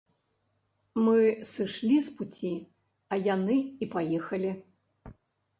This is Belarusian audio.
Мы сышлі з пуці, а яны і паехалі.